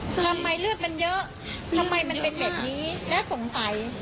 ทำไมเลือดมันเยอะทำไมมันเป็นแบบนี้และสงสัย